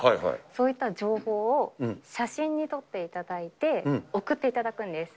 そういった情報を写真に撮っていただいて、送っていただくんです。